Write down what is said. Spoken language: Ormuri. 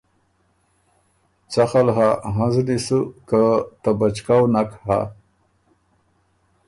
څخل هۀ هنزنی سُو که ته بچکؤ نک هۀ۔